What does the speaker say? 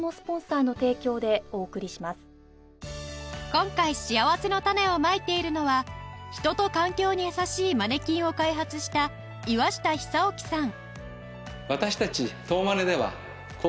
今回しあわせのたねをまいているのは人と環境にやさしいマネキンを開発した岩下久起さん